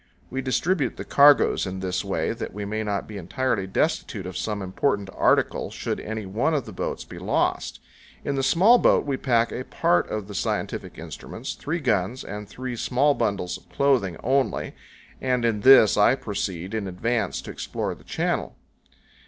We distribute the cargoes in this way that we may not be entirely destitute of some important article should any one of the boats be lost. In the small boat we pack a part of the scientific 122 CANYONS OF THE COLORADO. instruments, three guns, and three small bundles of clothing, only; and in this I proceed in advance to explore the channel.